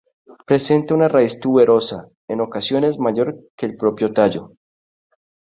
Presenta una raíz tuberosa, en ocasiones mayor que el propio tallo.